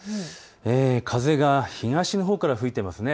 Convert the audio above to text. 風が東のほうから吹いていますね。